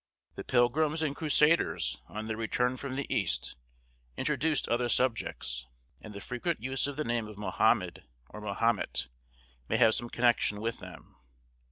The pilgrims and crusaders, on their return from the East, introduced other subjects, and the frequent use of the name of Mahomed or Mahomet may have some connection with them.